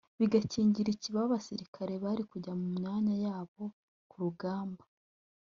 bigakingira ikibaba abasirikare bari kujya mu myanya yabo ku rugamba